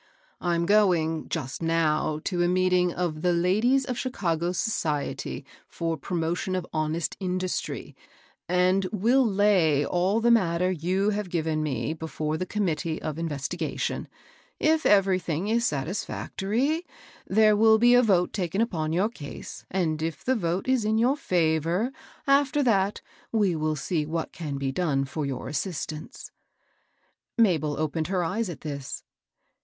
" I'm going just now to a meeting of * the ladies of Chicago's Society for Promotion of Honest Indus try,' and will lay all the matter you have giv^ti me before the committee of iuvQ.%^^N\wv* *^S. 860 MABEL ROSS. everything is satisfactory, there will be a vote taken upon your case, and if the vote is in your favor, after that, we will see what can be done for your assistance." Mabel opened her eyes at this.